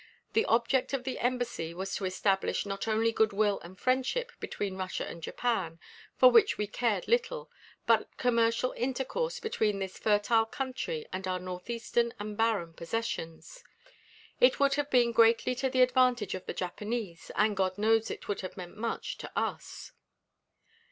The object of the embassy was to establish not only good will and friendship between Russia and Japan, for which we cared little, but commercial intercourse between this fertile country and our northeastern and barren possessions. It would have been greatly to the advantage of the Japanese, and God knows it would have meant much to us."